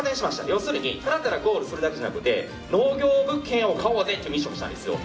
要するに、ただただゴールするだけじゃなくて農業物件を買おうぜってミッションをしたんですよ。